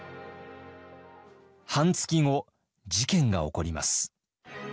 半月後事件が起こります。